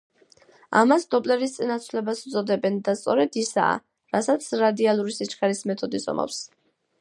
ამას დოპლერის წანაცვლებას უწოდებენ და სწორედ ისაა, რასაც რადიალური სიჩქარის მეთოდი ზომავს.